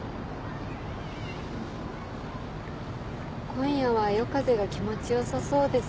今夜は夜風が気持ちよさそうですね。